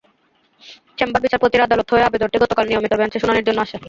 Chamber বিচারপতির আদালত হয়ে আবেদনটি গতকাল নিয়মিত বেঞ্চে শুনানির জন্য আসে।